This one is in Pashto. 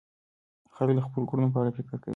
خلک د خپلو کړنو په اړه فکر کوي.